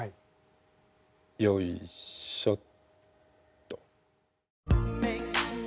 よいしょっと。